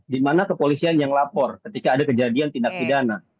di mana kepolisian yang lapor ketika ada kejadian tindak pidana